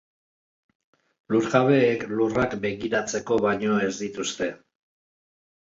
Lurjabeek lurrak begiratzeko baino ez dituzte.